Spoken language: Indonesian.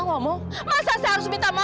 ini pasti baju saya